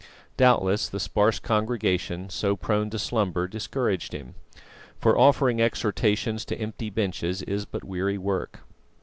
Doubtless the sparse congregation, so prone to slumber, discouraged him; for offering exhortations to empty benches is but weary work.